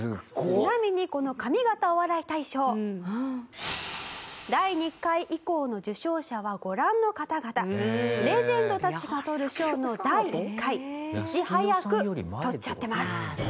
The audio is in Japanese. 「ちなみにこの上方お笑い大賞」「第２回以降の受賞者はご覧の方々」「レジェンドたちが取る賞の第１回いち早く取っちゃってます」